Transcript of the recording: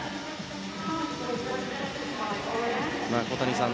小谷さん